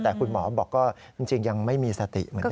แต่คุณหมอบอกก็จริงยังไม่มีสัตติเหมือนเดิม